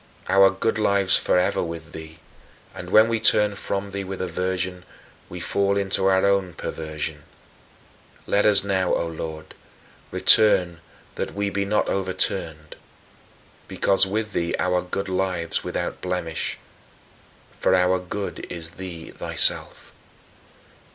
Our good lives forever with thee, and when we turn from thee with aversion, we fall into our own perversion. Let us now, O Lord, return that we be not overturned, because with thee our good lives without blemish for our good is thee thyself.